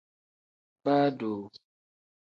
Baa doo.